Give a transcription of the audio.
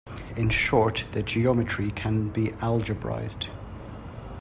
In short, the geometry can be algebraized.